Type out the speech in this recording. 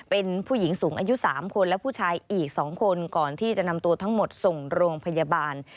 เป็นผู้หญิงสูงอายุ๓คนและผู้ชายอีก๒คนก่อนที่จะนำตัวทั้งหมดส่งโรงพยาบาล